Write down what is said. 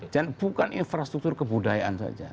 dan bukan infrastruktur kebudayaan saja